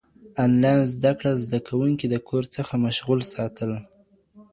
انلاين زده کړه زده کوونکي د کور څخه مشغول ساتل.